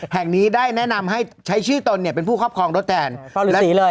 แห่งนี้ได้แนะนำให้ใช้ชื่อตนเนี่ยเป็นผู้ครอบครองรถแทนสีเลย